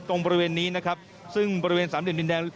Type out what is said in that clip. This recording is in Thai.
บริเวณนี้นะครับซึ่งบริเวณสามเหลี่ยินแดง